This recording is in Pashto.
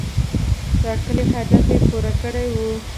ټاکلی هدف یې پوره کړی و.